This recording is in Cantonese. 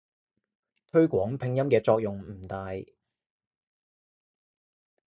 推廣拼音嘅作用唔大